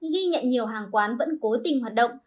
ghi nhận nhiều hàng quán vẫn cố tình hoạt động